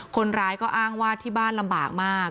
คนร้ายก็อ้างว่าที่บ้านลำบากมาก